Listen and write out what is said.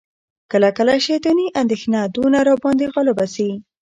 کله کله شیطاني اندیښنه دونه را باندي غالبه سي،